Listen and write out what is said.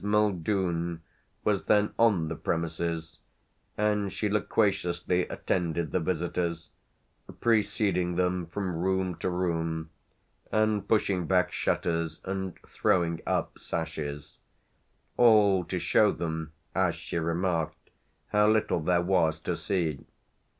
Muldoon was then on the premises, and she loquaciously attended the visitors, preceding them from room to room and pushing back shutters and throwing up sashes all to show them, as she remarked, how little there was to see.